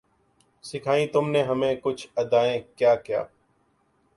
سکھائیں تم نے ہمیں کج ادائیاں کیا کیا